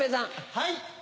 はい。